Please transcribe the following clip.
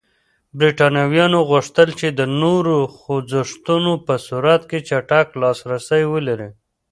برېټانویانو غوښتل چې د نورو خوځښتونو په صورت کې چټک لاسرسی ولري.